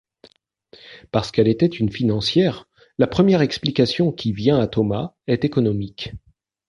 Parce qu’elle était une financière, la première explication qui vient à Thomas est économique.